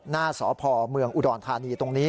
หน้าสพเมืองอุดรธานีตรงนี้